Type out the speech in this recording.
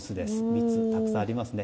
蜜がたくさんありますね。